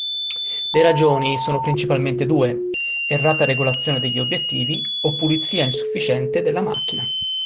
La ragioni sono principalmente due: errata regolazione degli obiettivi o pulizia insufficiente della macchina.